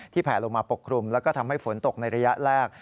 แผลลงมาปกคลุมแล้วก็ทำให้ฝนตกในระยะแรก